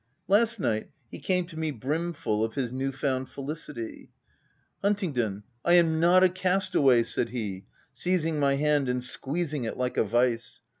Last night, he came to me brim full of his new found felicity :"' Huntingdon, I am not a cast away V said he, seizing my hand and squeezing it like a vice.